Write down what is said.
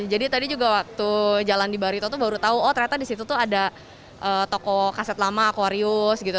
jadi tadi juga waktu jalan di barito tuh baru tau oh ternyata disitu tuh ada toko kaset lama aquarius gitu